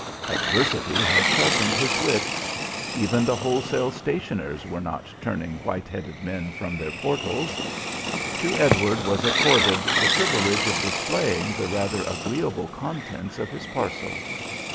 Adversity had sharpened his wits. Even the wholesale stationers were not turning white headed men from their portals. To Edward was accorded the privilege of displaying the rather agreeable contents of his parcel.